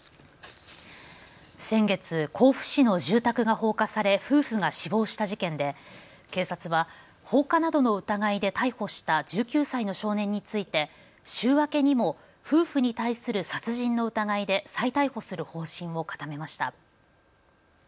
先月、甲府市の住宅が放火され夫婦が死亡した事件で警察は放火などの疑いで逮捕した１９歳の少年について週明けにも夫婦に対する殺人の疑いで再逮捕する方針を固めました。